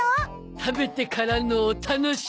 食べてからのお楽しみ。